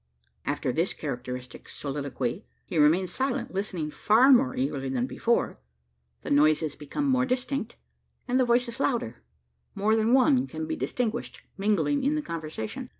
After this characteristic soliloquy, he remains silent listening far more eagerly than before. The noises become more distinct, and the voices louder. More than one can be distinguished mingling in the conversation.